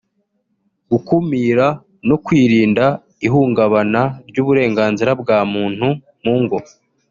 gukumira no kwirinda ihungabana ry’uburenganzira bwa muntu mu ngo”